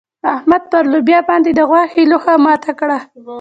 احمد پر لوبيا باندې د غوښې لوهه ماته کړه.